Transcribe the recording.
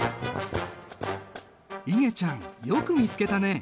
いげちゃんよく見つけたね。